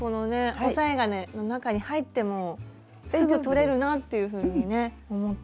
押さえ金の中に入ってもすぐ取れるなっていうふうにね思って。